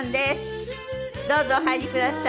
どうぞお入りください。